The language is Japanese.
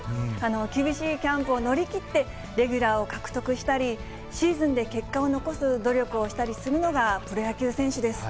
厳しいキャンプを乗り切って、レギュラーを獲得したり、シーズンで結果を残す努力をしたりするのが、プロ野球選手です。